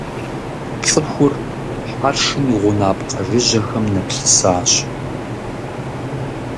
ЦӀыхур хьэршым и гъунапкъэ жыжьэхэм нэплъысащ.